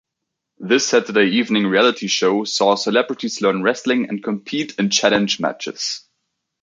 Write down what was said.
This Saturday evening reality show saw celebrities learn wrestling and compete in challenge matches.